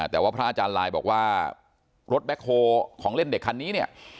แต่ว่าพระอาจารย์ลายบอกว่ารถแบ็คโฮของเล่นเด็กคันนี้เนี่ย